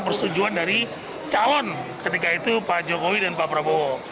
persetujuan dari calon ketika itu pak jokowi dan pak prabowo